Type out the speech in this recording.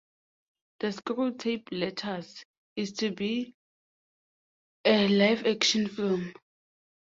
"The Screwtape Letters" is to be a live-action film.